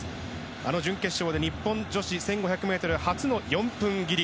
あの準決勝で日本女子１５００ｍ、初の４分切り。